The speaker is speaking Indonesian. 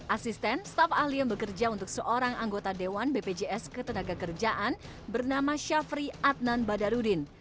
asisten staf ahli yang bekerja untuk seorang anggota dewan bpjs ketenaga kerjaan bernama syafri adnan badarudin